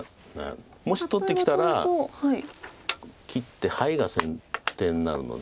もし取ってきたら切ってハイが先手になるので。